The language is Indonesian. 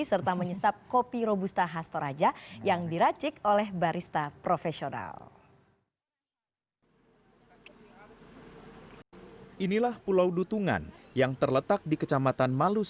serta menyesap kopi robusta hastoraja yang diracik oleh barista profesional